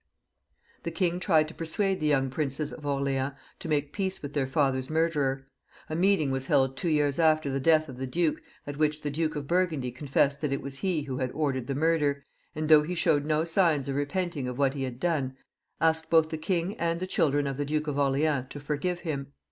The king tried to persuade the .young princes of Orleans to make peace with their father's murderer. A meeting was held two years after the death of the duke, at which the Duke of Burgundy confessed that it was he who had ordered the murder, and though he showed no signs of repenting of what he had done, asked both the king and the children of the Duke of Orleans to forgive him.